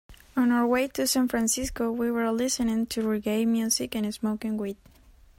On our way to San Francisco, we were listening to reggae music and smoking weed.